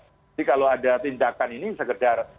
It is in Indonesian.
jadi kalau ada tindakan ini segedar